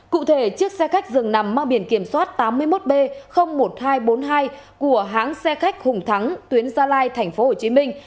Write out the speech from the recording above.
cụ thể chiếc xe khách dường nằm mang biển kiểm soát tám mươi một b một nghìn hai trăm bốn mươi hai của hãng xe khách hùng thắng tuyến gia lai thành phố hồ chí minh